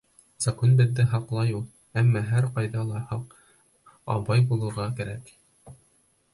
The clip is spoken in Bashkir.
Закон беҙҙе яҡлай ул, әммә һәр ҡайҙа ла һаҡ, абай булырға кәрәк.